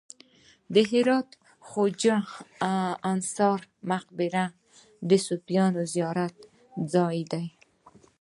د هرات د خواجه انصاري مقبره د صوفیانو زیارت ځای دی